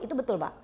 itu betul bapak